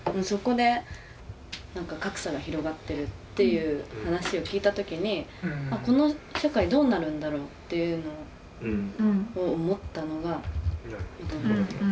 そこで何か格差が広がってるっていう話を聞いた時にあっこの社会どうなるんだろうっていうのを思ったのが。